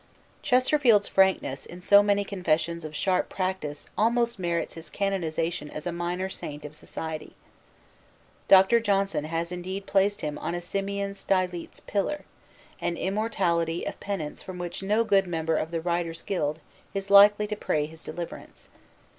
Chesterfield's frankness in so many confessions of sharp practice almost merits his canonization as a minor saint of society. Dr. Johnson has indeed placed him on a Simeon Stylites pillar, an immortality of penance from which no good member of the writers' guild is likely to pray his deliverance.